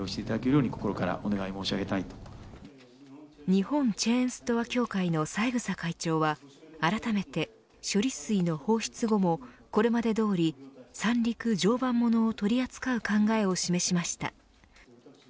日本チェーンストア協会の三枝会長はあらためて処理水の放出後もこれまでどおり三陸常磐ものを取り扱う考えを示しました。